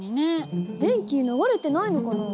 電気流れてないのかな？